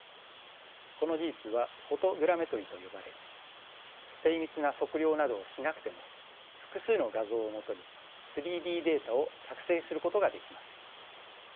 この技術はフォトグラメトリと呼ばれ精密な測量などをしなくても複数の画像をもとに３Ｄデータを作成することができます。